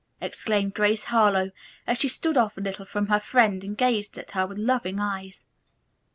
exclaimed Grace Harlowe, as she stood off a little from her friend and gazed at her with loving eyes.